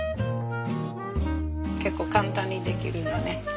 結構簡単にできるのね。